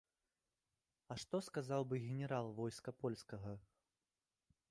А што сказаў бы генерал войска польскага?